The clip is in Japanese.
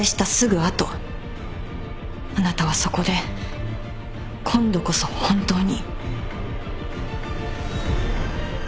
あなたはそこで今度こそ本当に。